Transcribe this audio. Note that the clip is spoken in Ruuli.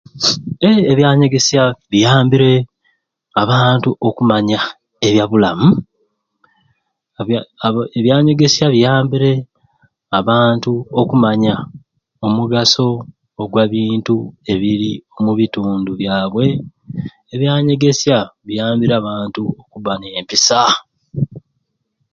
Eeh ebyanyegesya biyambire abantu okumanya ebyabulamu, ebya abo ebyanyegesya biyambire abantu okumanya omugaso ogwabintu ebiri omu bitundu byabwe, ebyanyegesya biyambire abantu okuba n'empisaa